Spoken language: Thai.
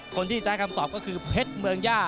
คนที่ใช้คำตอบก็คือเพชรเมืองย่า